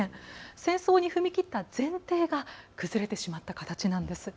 戦争に踏み切った前提が崩れてしまった形なんです。